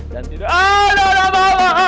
dan tidak ada apa apa